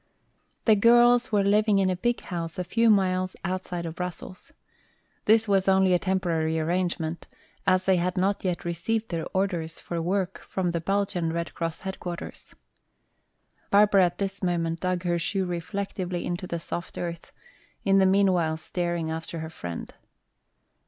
The girls were living in a big house a few miles outside of Brussels. This was only a temporary arrangement, as they had not yet received their orders for work from the Belgian Red Cross headquarters. Barbara at this moment dug her shoe reflectively into the soft earth, in the meanwhile staring after her friend.